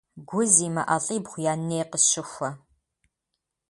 Гу зимыӀэ лӀибгъу я ней къысщыхуэ.